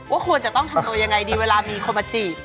ควรจะต้องทำตัวยังไงดีเวลามีคนมาจีบ